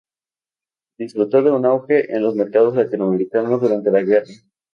Disfrutó de un auge en los mercados latinoamericanos durante la Guerra.